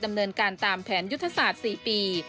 ดำเนินการตามแผนยุทธศาสตร์๔ปี